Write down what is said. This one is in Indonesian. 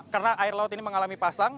karena air laut ini mengalami pasang